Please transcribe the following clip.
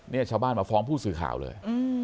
ชาวบ้านมาฟ้องผู้สื่อข่าวเลย